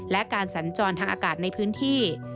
และการสัญจรทางอากาศในพื้นที่